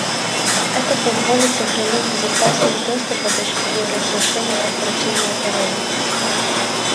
Это позволит сохранить безопасность доступа даже при разглашении корпоративного пароля